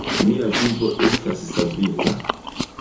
Mia vivo estas savita.